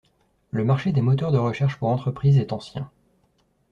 Le marché des moteurs de recherche pour entreprise est ancien.